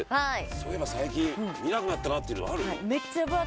そういえば最近見なくなったなっていうのある？